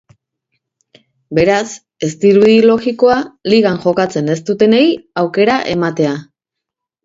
Beraz, ez dirudi logikoa ligan jokatzen ez dutenei aukera ematea.